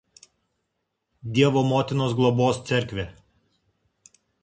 Dievo Motinos globos cerkvė.